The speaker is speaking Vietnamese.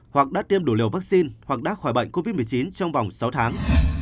hoặc đã tiêm đủ liều vaccine hoặc đã khỏi bệnh covid một mươi chín trong vòng sáu tháng